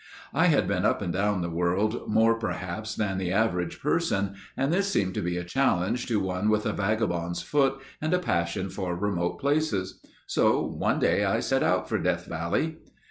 I had been up and down the world more perhaps than the average person and this seemed to be a challenge to one with a vagabond's foot and a passion for remote places. So one day I set out for Death Valley.